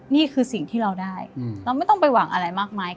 นี่คือสิ่งที่เราได้เราไม่ต้องไปหวังอะไรมากมาย